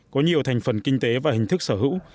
có nhiều thành phần kinh tế và hình thức sở hữu